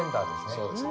そうですね。